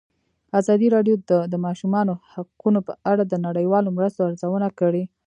ازادي راډیو د د ماشومانو حقونه په اړه د نړیوالو مرستو ارزونه کړې.